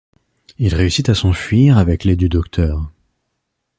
Il réussit à s'enfuir avec l'aide du docteur.